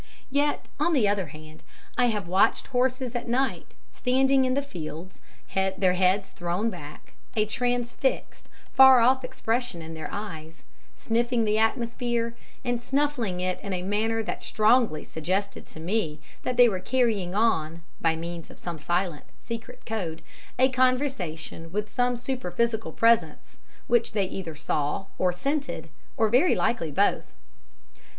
Yet, on the other hand, I have watched horses at night, standing in the fields, their heads thrown back, a transfixed, far off expression in their eyes, sniffing the atmosphere and snuffling it in a manner that strongly suggested to me they were carrying on, by means of some silent, secret code, a conversation with some superphysical presence, which they either saw or scented, very likely both.